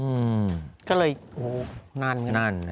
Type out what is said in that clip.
อืมก็เลยโอ้โหนานนาน